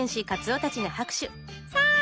さあ